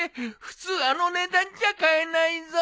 普通あの値段じゃ買えないぞ。